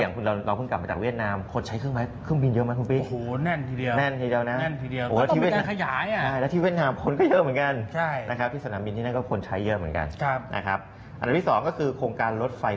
อย่างเราพึ่งกลับมาจากเวียดนามคนใช้เครื่องบินเยอะไหมคุณพี่